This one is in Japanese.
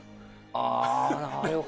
ああー、なるほど。